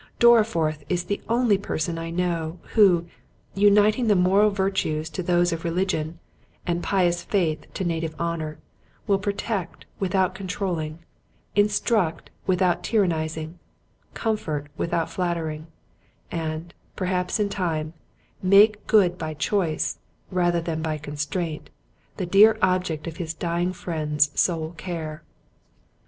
Dorriforth is the only person I know, who, uniting the moral virtues to those of religion, and pious faith to native honour, will protect, without controlling, instruct, without tyrannizing, comfort, without flattering; and, perhaps in time, make good by choice, rather than by constraint, the dear object of his dying friend's sole care."